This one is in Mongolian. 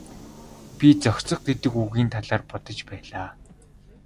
Би зохицох гэдэг үгийн талаар бодож байлаа.